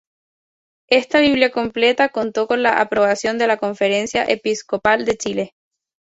Esta Biblia completa contó con la aprobación de la Conferencia Episcopal de Chile.